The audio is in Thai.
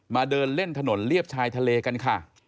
เดินเล่นถนนเรียบชายทะเลกันค่ะ